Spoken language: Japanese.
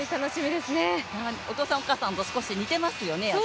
お父さん、お母さんと少し似てますよね。